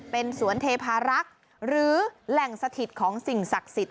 เป็นสวนเทพารักษ์หรือแหล่งสถิตของสิ่งศักดิ์สิทธิ